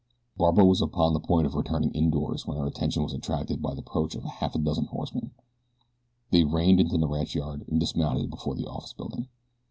Barbara was upon the point of returning indoors when her attention was attracted by the approach of a half dozen horsemen. They reined into the ranchyard and dismounted before the office building.